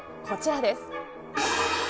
こちらです。